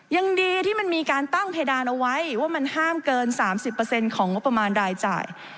ยังดีที่มันมีการตั้งเพดานเอาไว้ว่ามันห้ามเกิน๓๐ของงบประมาณรายจ่าย